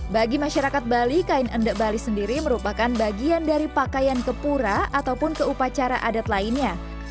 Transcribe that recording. bagi masyarakat bali kain endek bali sendiri merupakan bagian dari pakaian kepura ataupun keupacara adat lainnya